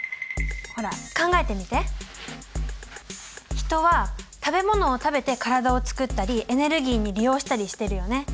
ヒトは食べ物を食べて体を作ったりエネルギーに利用したりしてるよね。